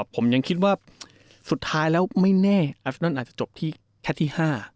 ผมยังคิดว่าสุดท้ายแล้วไม่แน่อัฟนอนอาจจะจบที่แค่ที่๕